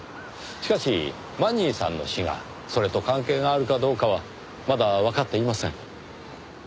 しかしマニーさんの死がそれと関係があるかどうかはまだわかっていません。